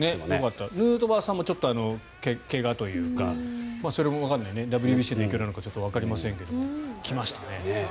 ヌートバーさんもちょっと、怪我というかそれもわからないねＷＢＣの影響かわからないけど来ましたね。